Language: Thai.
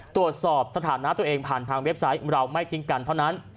ตรวจสอบสถานะตัวเองผ่านทางเว็บไซต์เราไม่ทิ้งกันเท่านั้น